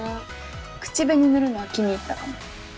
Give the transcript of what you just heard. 口紅塗るのは気に入ったかも。